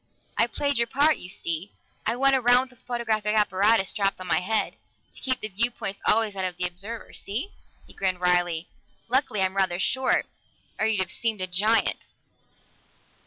I played your part, you see; I went around with the photographic apparatus strapped on my head, to keep the viewpoint always that of the observer. See?" He grinned wryly. "Luckily I'm rather short, or you'd have seemed a giant."